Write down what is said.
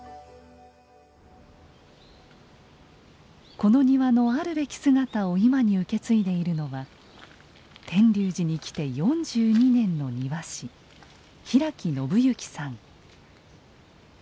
この庭のあるべき姿を今に受け継いでいるのは天龍寺に来て４２年の庭師平木信行さん。